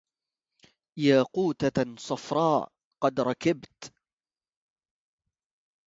ياقوتة صفراء قد ركبت